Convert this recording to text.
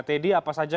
teddy apa kesanmu